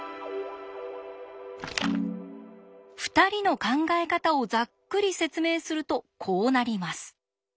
２人の考え方をざっくり説明するとこうなります。